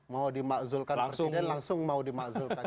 mau dimakzulkan presiden langsung mau dimakzulkan